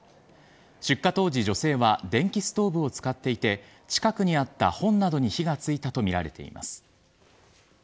出火当時、女性は電気ストーブを使っていて近くにあった本などに火がついたとみられています。